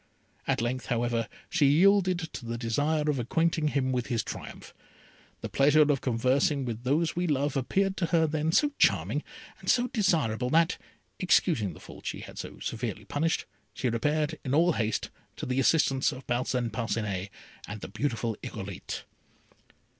At length, however, she yielded to the desire of acquainting him with his triumph. The pleasure of conversing with those we love appeared to her then so charming and so desirable, that, excusing the fault she had so severely punished, she repaired, in all haste, to the assistance of Parcin Parcinet and the beautiful Irolite.